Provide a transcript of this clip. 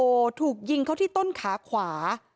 โอ้โหถูกยิงเขาที่ต้นขาขวา